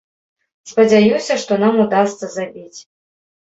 Спадзяюся, што нам удасца забіць.